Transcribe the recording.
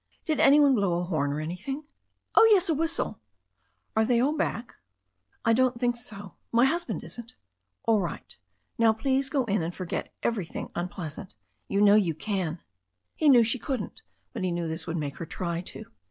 "Did anybody blow a horn or anything?" "Oh, yes, a whistle. "Are they all back?* 126 THE STORY OF A NEW ZEALAND RIVER "I don't think so. My husband isn't." "All right. Now, please go in and forget everything un pleasant. You can, you know." He knew she couldn't, but he knew this would make her try to.